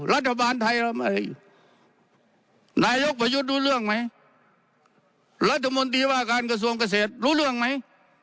รัฐบาลไทยทำอะไรอยู่นายยกประยุทธรรมดีว่าการกระทรวงเกษตรรู้เรื่องไหม